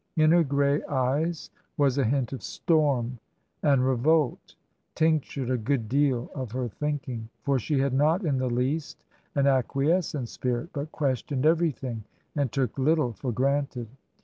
In her grey eyes was a hint of storm, and revolt tinctured a good deal of her thinking ; for she had not in the least an ac quiescent spirit, but questioned everything and took little for granted.